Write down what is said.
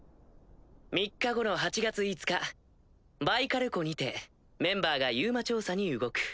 ３日後の８月５日バイカル湖にてメンバーがＵＭＡ調査に動く。